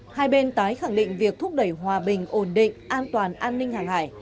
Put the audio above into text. hai bên tái khẳng định việc thúc đẩy hòa bình ổn định an toàn an ninh hàng hải